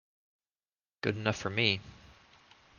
Good enough for me.